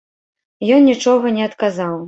Ён нічога не адказаў.